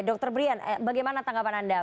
dr brian bagaimana tanggapan anda